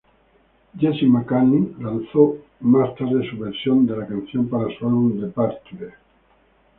Jesse McCartney lanzó más tarde su versión de la canción, para su álbum "Departure".